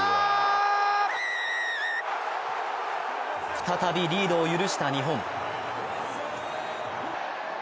再びリードを許した日本。